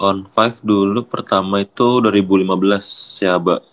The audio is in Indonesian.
kalau lima on lima dulu pertama itu dua ribu lima belas seaba